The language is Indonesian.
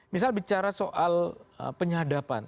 misal bicara soal penyadapan